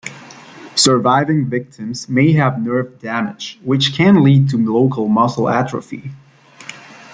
Surviving victims may have nerve damage, which can lead to local muscle atrophy.